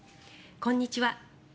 こんにちは。